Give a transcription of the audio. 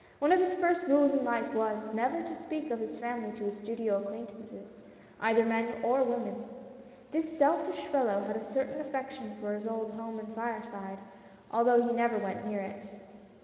One of his first rules in life was, never to speak of his family to his studio acquaintances — either men or women. The selfish fellow had a certain affection for his old home and fireside, although he never went near it.